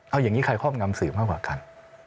เอาอย่างนี้ใครครอบงำสื่อมากกว่ากัน